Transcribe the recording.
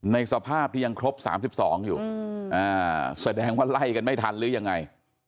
ในสภาพที่ยังครบสามสิบสองอยู่อ่าแสดงว่าไล่กันไม่ทันหรือยังไง